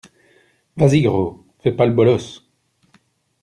Vas-y gros, fais pas le boloss.